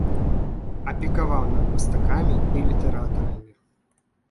Апекаваў над мастакамі і літаратарамі.